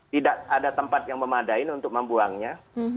tidak ada tempat yang memadain untuk membuangnya